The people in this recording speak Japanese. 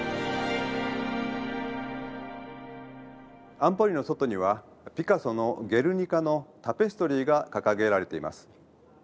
安保理の外にはピカソの「ゲルニカ」のタペストリーが掲げられています。